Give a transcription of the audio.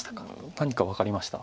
何か分かりました。